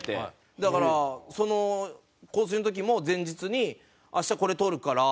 だからその『香水』の時も前日に「明日これ撮るから」